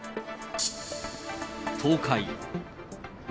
東海。